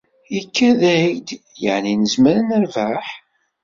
Ikad-ak-d yeɛni nezmer ad nerbeḥ?